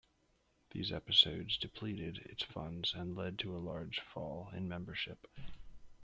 These episodes depleted its funds and led to a large fall in membership.